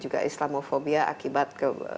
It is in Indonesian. juga islamofobia akibat